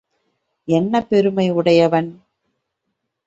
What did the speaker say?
என்ன பெருமை உடையவன்?